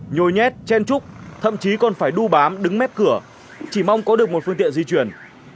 nhồi nhét chen trúc thậm chí còn phải đu bám đứng mép cửa chỉ mong có được một phương tiện di chuyển